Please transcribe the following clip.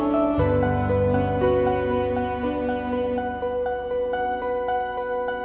evol su zisein yang orang ini sudah diburu buru dengan euro